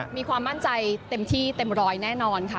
มีความมั่นใจเต็มที่เต็มร้อยแน่นอนค่ะ